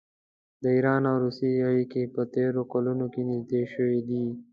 د ایران او روسیې اړیکې په تېرو کلونو کې نږدې شوي دي.